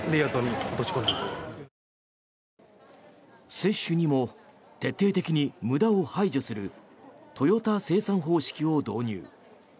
接種にも徹底的に無駄を排除するトヨタ生産方式を導入。